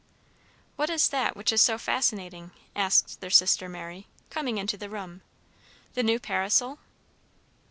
"What is that which is so fascinating?" asked their sister Mary, coming into the room. "The new parasol?